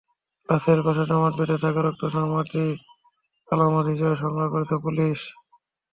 লাশের পাশে জমাট বেঁধে থাকা রক্তসহ মাটি আলামত হিসেবে সংগ্রহ করছে পুলিশ।